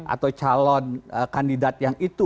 atau calon kandidat yang itu